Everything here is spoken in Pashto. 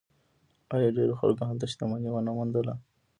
آیا ډیرو خلکو هلته شتمني ونه موندله؟